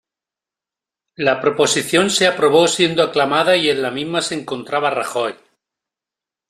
La proposición se aprobó, siendo aclamada, y en la misma se encontraba Rajoy.